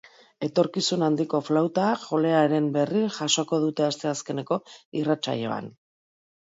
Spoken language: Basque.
Etorkizun handiko flauta jolearen berri jasoko dute asteazkeneko irratsaioan.